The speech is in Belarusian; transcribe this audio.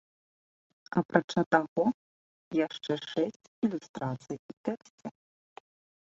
Апрача таго, яшчэ шэсць ілюстрацый у тэксце.